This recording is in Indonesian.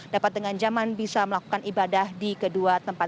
dapat dengan zaman bisa melakukan ibadah di kedua tempat